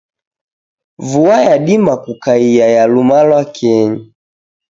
Vua yadima kukaia ya luma lwa kenyi.